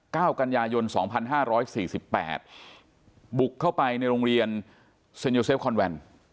ก้าวกัญญายน๒๕๔๘บุกเข้าไปในโรงเรียนเซนยูเซฟคอนแวนด์